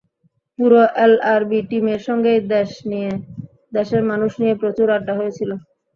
পুরো এলআরবি টিমের সঙ্গেই দেশ নিয়ে, দেশের মানুষ নিয়ে প্রচুর আড্ডা হয়েছিল।